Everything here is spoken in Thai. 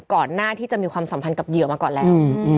ก่อนหน้าที่จะมีความสัมพันธ์กับเหยื่อมาก่อนแล้ว